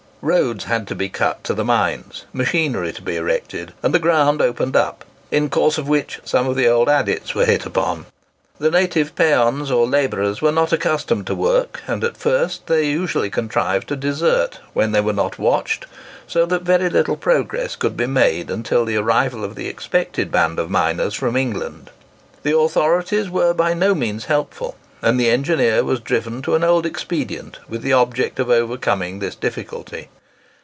Roads had to be cut to the mines, machinery to be erected, and the ground opened up, in course of which some of the old adits were hit upon. The native peons or labourers were not accustomed to work, and at first they usually contrived to desert when they were not watched, so that very little progress could be made until the arrival of the expected band of miners from England. The authorities were by no means helpful, and the engineer was driven to an old expedient with the object of overcoming this difficulty.